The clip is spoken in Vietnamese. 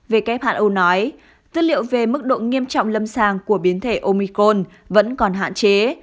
who nói dữ liệu về mức độ nghiêm trọng lâm sàng của biến thể omicron vẫn còn hạn chế